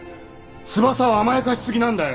翼を甘やかしすぎなんだよ！